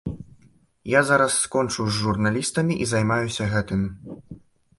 Я зараз скончу з журналістамі і займаюся гэтым.